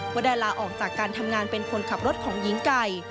ว่าได้ลาออกจากการทำงานเป็นคนขับรถของหญิงไก่